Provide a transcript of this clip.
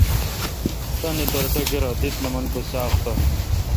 تانی در ٹکرہ دی تہ نہ من کو تو ساق تہ